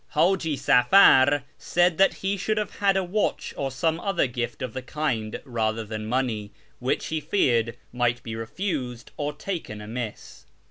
Haji Safar said that he should have had a watch or some other gift of the kind rather than money, which, he feared, might be refused or taken amiss.